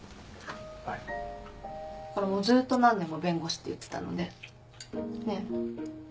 ずっと何年も弁護士って言ってたのでねっ。